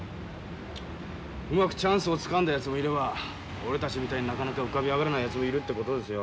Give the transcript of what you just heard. うまくチャンスをつかんだやつもいれば俺たちみたいになかなか浮かび上がれないやつもいるってことですよ。